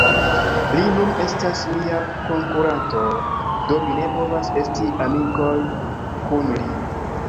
Li nun estas mia konkuranto... do mi ne povas esti amikoj kun li